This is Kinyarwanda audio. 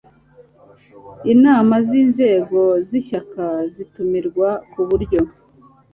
inama z inzego z ishyaka zitumirwa ku buryo